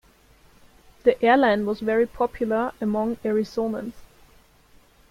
The airline was very popular among Arizonans.